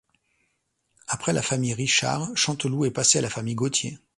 Après la famille Richard, Chanteloup est passé à la famille Gautier.